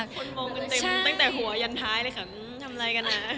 คนมองกันเต็มตั้งแต่หัวยันท้ายเลยค่ะทำอะไรกันนะ